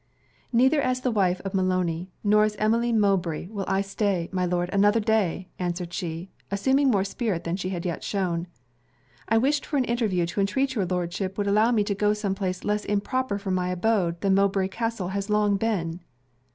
'Neither as the wife of Maloney, nor as Emmeline Mowbray, will I stay, my Lord, another day!' answered she, assuming more spirit than she had yet shewn. 'I wished for an interview to entreat your Lordship would allow me to go to some place less improper for my abode than Mowbray Castle has long been.'